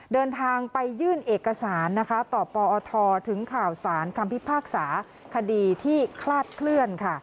เดินทางไปยื่นเอกสารนะคะต่อปอทถึงข่าวสารคำพิพากษาคดีที่คลาดเคลื่อนค่ะ